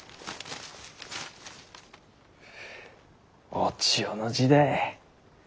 お千代の字だい。